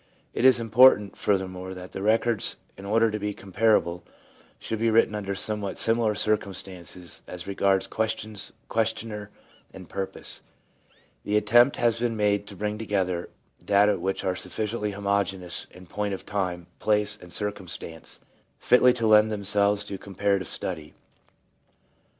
1 It is important, furthermore, that the records, in order to be comparable, should be written under somewhat similar circumstances as regards questions, questioner and purpose. The attempt has been made to bring together data which are sufficiently homogeneous in point of time, place and circumstance fitly to lend themselves to comparative study.